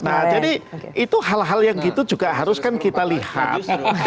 nah jadi itu hal hal yang gitu juga harus kan kita lihat